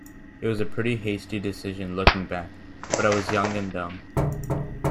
It was a pretty hasty decision, looking back, but I was young and dumb.